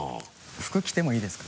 服着てもいいですか？